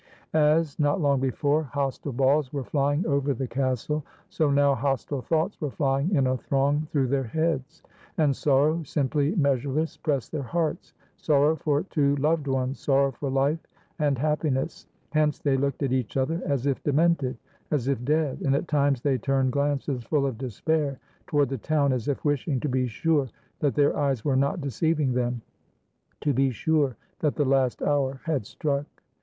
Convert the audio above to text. As, not long before, hostile balls were flying over the castle, so now hostile thoughts were flying in a throng through their heads. And sorrow simply measureless pressed their hearts, — sorrow for two loved ones, sor row for life and happiness; hence they looked at each other as if demented, as if dead, and at times they turned glances full of despair toward the town, as if wishing to be sure that their eyes were not deceiving them, — to be sure that the last hour had struck.